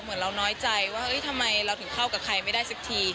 เหมือนเราน้อยใจว่าทำไมเราถึงเข้ากับใครไม่ได้สักที